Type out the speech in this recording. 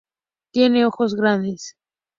Tienen ojos grandes.